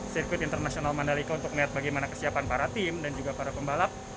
sirkuit internasional mandalika untuk melihat bagaimana kesiapan para tim dan juga para pembalap